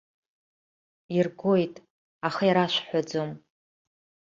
Иргоит, аха ирашәҳәаӡом!